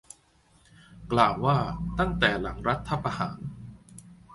กล่าวว่า ตั้งแต่หลังรัฐประหาร